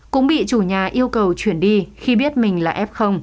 cũng bị chủ nhà yêu cầu chuyển đi khi biết mình là f